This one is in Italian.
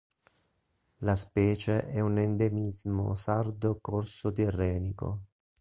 La specie è un endemismo sardo-corso-tirrenico.